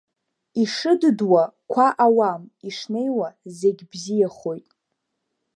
Ишыдыдуа қәа ауам, ишнеиуа зегь бзиахоит.